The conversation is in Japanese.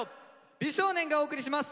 美少年がお送りします。